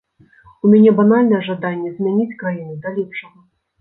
У мяне банальнае жаданне змяніць краіну да лепшага.